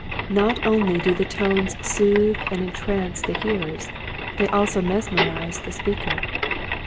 Not only do the tones soothe and entrance the hearers, they also mesmerize the speaker.